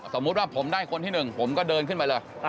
สมมุติว่าผมได้คนที่หนึ่งผมก็เดินขึ้นไปเลย